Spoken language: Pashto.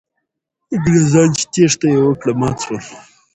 انګریزان چې تېښته یې وکړه، مات سول.